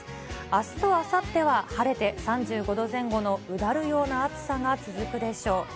あすとあさっては晴れて３５度前後のうだるような暑さが続くでしょう。